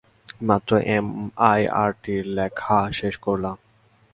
মাত্রই এমআইটিরটা লেখা শেষ করলাম।